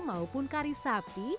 maupun kari sapi